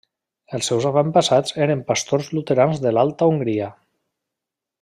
Els seus avantpassats eren pastors luterans de l'alta Hongria.